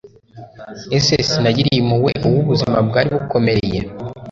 ese sinagiriye impuhwe uwo ubuzima bwari bukomereye